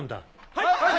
はい！